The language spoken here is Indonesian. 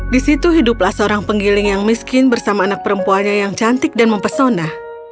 di situ hiduplah seorang penggiling yang miskin bersama anak perempuannya yang cantik dan mempesona